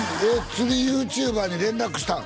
釣りＹｏｕＴｕｂｅｒに連絡したん？